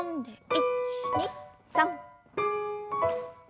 １２３。